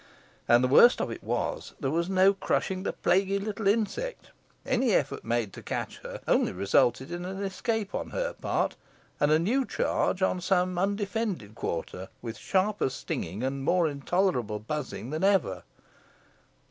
And the worst of it was, there was no crushing the plaguy little insect; any effort made to catch her only resulting in an escape on her part, and a new charge on some undefended quarter, with sharper stinging and more intolerable buzzing than ever.